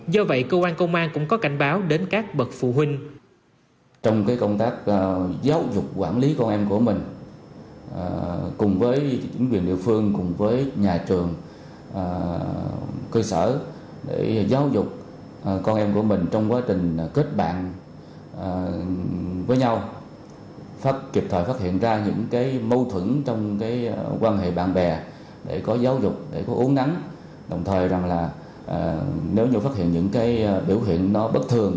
do vậy cơ quan công an cũng có cảnh báo đến các bậc phụ huynh